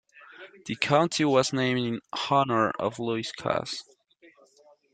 The county was named in honor of Lewis Cass.